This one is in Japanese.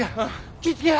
気ぃ付けや！